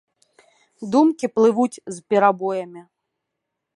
Думкі плывуць з перабоямі.